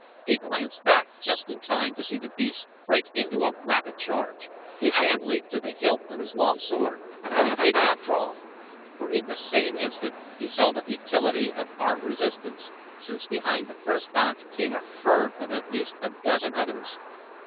He glanced back just in time to see the beast break into a rapid charge. His hand leaped to the hilt of his long sword, but he did not draw, for in the same instant he saw the futility of armed resistance, since behind the first banth came a herd of at least a dozen others.